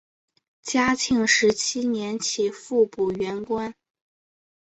嘉庆十七年起复补原官。